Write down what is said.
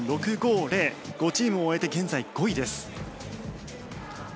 ５チームを終えて現在、５位です。